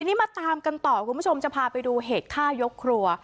ทีนี้มาตามกันต่อคุณผู้ชมจะพาไปดูเหตุฆ่ายกครัว